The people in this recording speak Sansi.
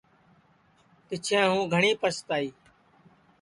پِچھیں ہُوں گھٹؔی پستائی